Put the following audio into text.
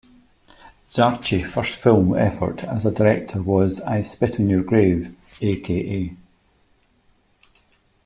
Zarchi first film effort as a director was "I Spit on Your Grave" a.k.a.